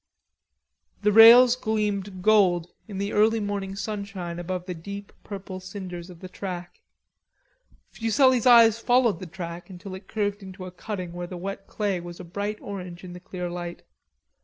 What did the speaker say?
The rails gleamed gold in the early morning sunshine above the deep purple cinders of the track. Fuselli's eyes followed the track until it curved into a cutting where the wet clay was a bright orange in the clear light.